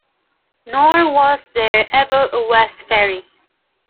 Nor was there ever a west ferry.